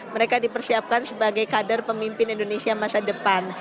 mereka dipersiapkan sebagai kader pemimpin indonesia masa depan